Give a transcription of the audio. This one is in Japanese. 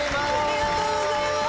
ありがとうございます！